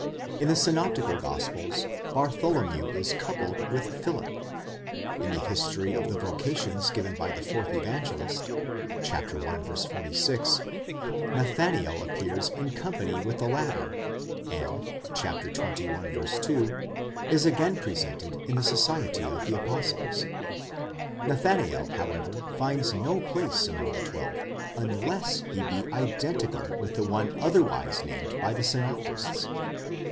In the synoptical gospels Bartholomew is coupled with Phillip; in the history of the vocations given by the fourth Evangelist (i. 46), Nathanael appears in company with the latter and (xxi. 2) is again presented in the society of the apostles. Nathanael, however, finds no place among the twelve, unless he be identical with one otherwise named by the synoptists.